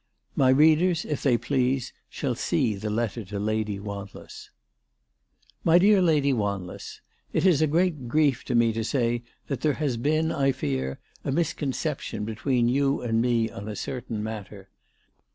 My readers, if they please, shall see the letter to Lady Wanless. " MY DEAR LADY WANLESS, It is a great grief to me to say that there has been, I fear, a misconception between you and me on a certain matter.